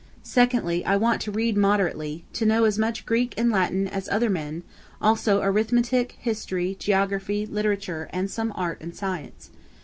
Secondly, I want to read moderately; to know as much Greek and Latin as other men; also arithmetic, history, geography, literature, and some art and science.